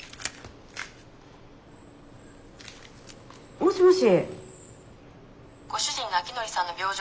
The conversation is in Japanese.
もしもし？